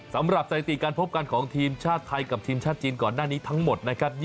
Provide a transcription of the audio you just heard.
สำหรับสัยติการพบกันของทีมชาติไทยกับทีมชาติจีนก่อนหน้านี้ทั้งหมด